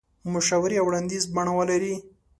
مشورې او وړاندیز بڼه ولري.